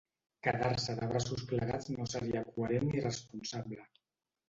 Quedar-se de braços plegats no seria coherent ni responsable.